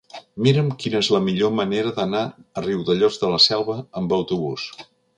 Mira'm quina és la millor manera d'anar a Riudellots de la Selva amb autobús.